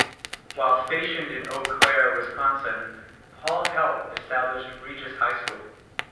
While stationed in Eau Claire, Wisconsin, Paul help established Regis High School.